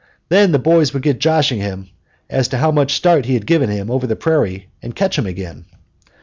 Then the boys would get joshing him as to how much start he could give him over the prairie and catch him again."